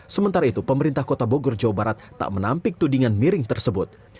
sementara itu pemerintah kota bogor jawa barat tak menampik tudingan miring tersebut